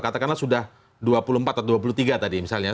katakanlah sudah dua puluh empat atau dua puluh tiga tadi misalnya